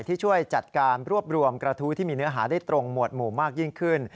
ที่ช่วยจัดการรวบรวมกระทู้ที่มีเนื้อหาได้ตรงหมวดหมู่มากยิ่งขึ้น